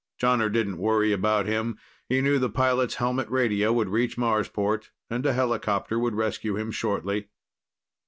Jonner didn't worry about him. He knew the pilot's helmet radio would reach Marsport and a helicopter would rescue him shortly.